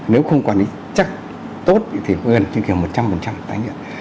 nếu không quản lý chắc tốt thì gần như kiểu một trăm linh tái nghiện